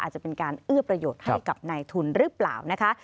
อาจจะเป็นการเอื้อประโยชน์ให้กับนายทุนหรือเปล่านะคะ